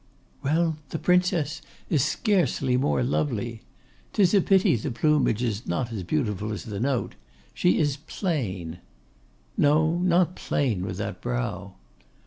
'Well, the Princess is scarcely more lovely. 'Tis a pity the plumage is not as beautiful as the note. She is plain.' 'No; not plain with that brow.